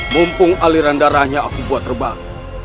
mumpung aliran darahnya aku buat terbang